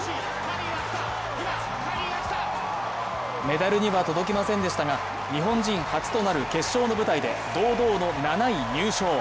メダルには届きませんでしたが、日本人初となる決勝の舞台で堂々の７位入賞。